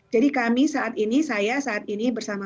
jadi kami saat ini saya saat ini bersama